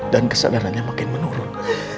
dan kesadarannya makin menurun